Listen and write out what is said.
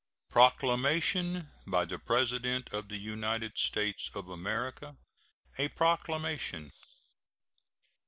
PROCLAMATION. BY THE PRESIDENT OF THE UNITED STATES OF AMERICA. A PROCLAMATION.